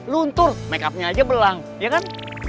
luntur make up nya aja belang ya kan